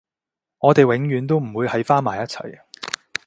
我哋永遠都唔會喺返埋一齊